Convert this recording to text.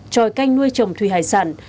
cho canh nuôi chồng thùy hải sản